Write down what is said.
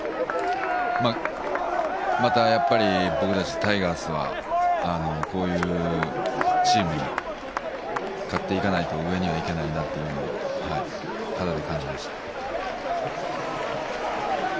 また僕たちタイガースはこういうチームに勝っていかないと上には行けないなというのを肌で感じました。